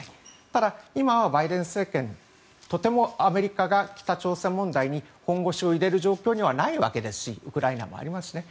ただ、今はバイデン政権とてもアメリカが北朝鮮問題に本腰を入れる状況にはないわけですしウクライナもありますしね。